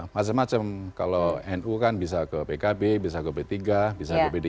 macam macam kalau nu kan bisa ke pkb bisa ke p tiga bisa ke p tiga